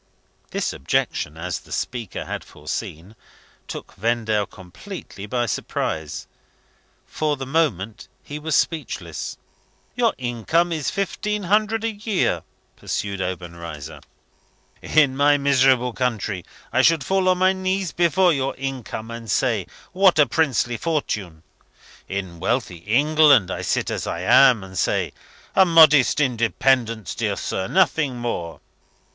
The objection, as the speaker had foreseen, took Vendale completely by surprise. For the moment he was speechless. "Your income is fifteen hundred a year," pursued Obenreizer. "In my miserable country I should fall on my knees before your income, and say, 'What a princely fortune!' In wealthy England, I sit as I am, and say, 'A modest independence, dear sir; nothing more.